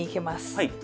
はい。